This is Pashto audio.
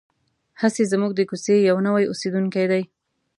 هسې زموږ د کوڅې یو نوی اوسېدونکی دی.